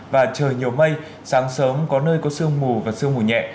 và trời nhiều mây sáng sớm có nơi có sương mù và sương mù nhẹ